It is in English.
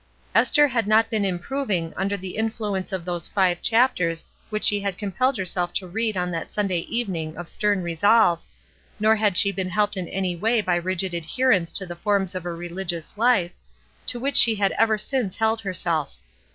Esther had not been improving under the influence of those five chapters which she had compelled herself to read on that Sunday even ing of stern resolve, nor had she been helped in any way by rigid adherence to the forms of a religious Ufe, to which she had ever since held herself.